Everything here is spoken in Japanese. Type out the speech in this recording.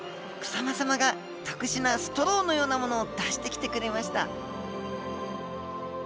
草間さまが特殊なストローのようなものを出してきてくれました。